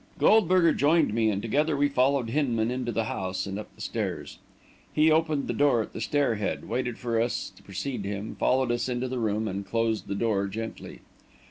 Goldberger joined me and together we followed Hinman into the house and up the stairs. He opened the door at the stair head, waited for us to precede him, followed us into the room, and closed the door gently.